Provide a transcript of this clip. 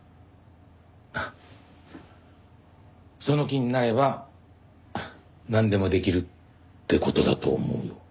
その気になればなんでもできるって事だと思うよ。